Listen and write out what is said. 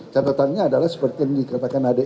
catatannya adalah seperti yang dikatakan adik